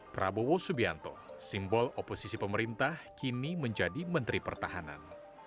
prabowo subianto simbol oposisi pemerintah kini menjadi menteri pertahanan